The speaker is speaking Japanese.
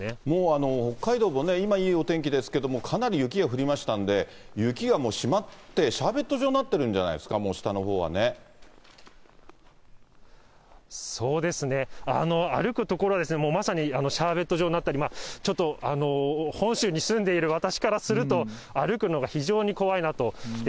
もう北海道、今、いいお天気ですけれども、かなり雪が降りましたんで、雪がもう、締まって、シャーベット状になってしまってるんじゃないですか、もう下のほそうですね、歩く所はまさにシャーベット状になったり、ちょっと本州に住んでいる私からすると、歩くのが非常に怖いなと。